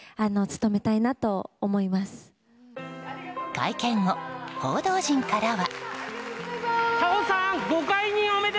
会見後、報道陣からは。